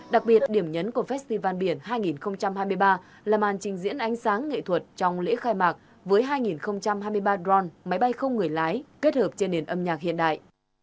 đặc biệt điểm nhấn của festival biển hai nghìn hai mươi ba là màn trình diễn ánh sáng nghệ thuật trong lễ khai mạc với hai hai mươi ba drone máy bay không người lái kết hợp trên nền âm nhạc hiện đại